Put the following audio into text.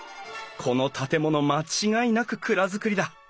この建物間違いなく蔵造りだ。